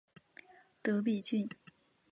德比郡。